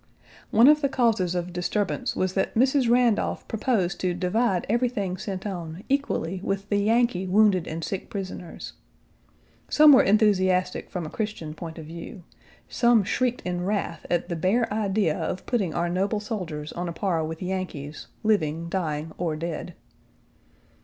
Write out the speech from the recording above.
One of the causes of disturbance was that Mrs. Randolph proposed to divide everything sent on equally with the Yankee wounded and sick prisoners. Some were enthusiastic Page 108 from a Christian point of view; some shrieked in wrath at the bare idea of putting our noble soldiers on a par with Yankees, living, dying, or dead.